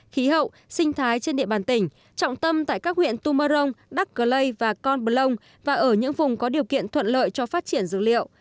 khí hậu sinh thái trên địa bàn tỉnh trọng tâm tại các huyện tumorong đắc cơ lây và con bờ lông và ở những vùng có điều kiện thuận lợi cho phát triển dược liệu